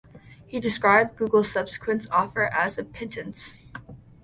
He described Google's subsequent offer as a "pittance".